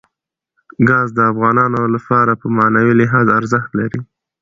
ګاز د افغانانو لپاره په معنوي لحاظ ارزښت لري.